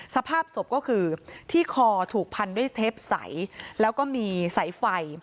สภาพศพก็คือที่คอถูกพันด้วยเทปใสแล้วก็มีสายไฟ